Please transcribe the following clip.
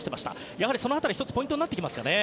やはりその辺りが１つポイントになってきますかね。